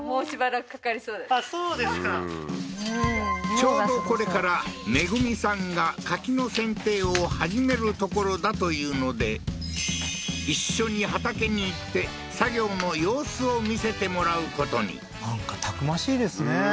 ちょうどこれからめぐみさんが柿の剪定を始めるところだというので一緒に畑に行って作業の様子を見せてもらうことになんかたくましいですね